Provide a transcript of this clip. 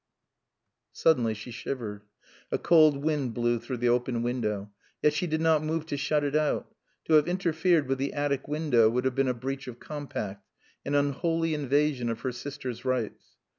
Suddenly she shivered. A cold wind blew through the open window. Yet she did not move to shut it out. To have interfered with the attic window would have been a breach of compact, an unholy invasion of her sister's rights.